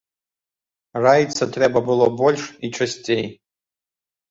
Раіцца трэба было больш і часцей.